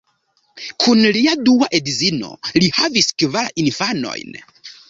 Kun lia dua edzino li havis kvar infanojn.